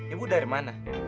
ibu dari mana